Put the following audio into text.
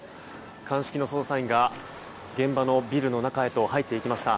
鑑識の捜査員が現場のビルの中へと入っていきました。